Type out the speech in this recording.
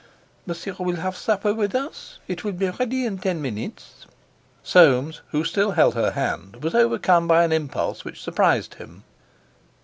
"Monsieur will have supper with us? It will be ready in ten minutes." Soames, who still held her hand, was overcome by an impulse which surprised him.